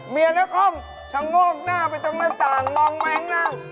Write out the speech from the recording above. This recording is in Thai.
นครชะโงกหน้าไปตรงหน้าต่างมองแมงนั่ง